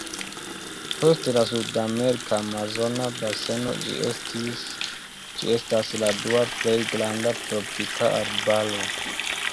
Post la sudamerika amazona baseno ĝi estas la dua plej granda tropika arbaro.